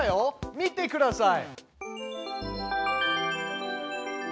見てください。